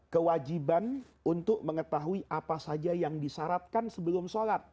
kewajiban untuk mengetahui apa saja yang disyaratkan sebelum sholat